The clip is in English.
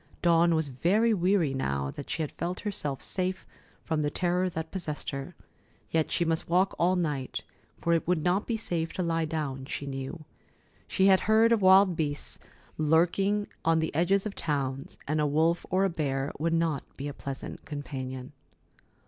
Dawn was very weary now that she felt herself safe from the terror that possessed her, yet she must walk all night, for it would not be safe to lie down, she knew. She had heard of wild beasts lurking on the edges of towns, and a wolf or a bear would not be a pleasant companion.